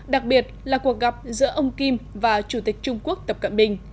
đặc biệt là cuộc gặp giữa ông kim và chủ tịch trung quốc tập cận bình